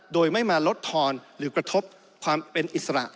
โดยไม่มาลดทอนหรือกระทบความเป็นอิสระ